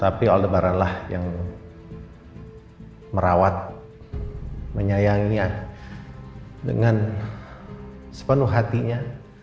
tapi allah yang merawat menyayanginya dengan sepenuh hatinya